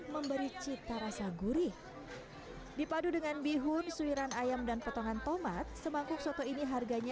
memberi cita rasa gurih dipadu dengan bihun suiran ayam dan potongan tomat semangkuk soto ini harganya